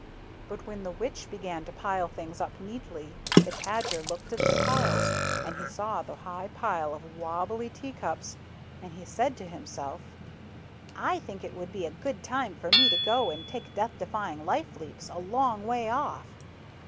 But when the Witch began to pile things up neatly the Tajer looked at the piles, and he saw the high pile of wobbly tea cups, and he said to himself, " I think it would be a good time for me to go and take Death defying life leaps, a long way off."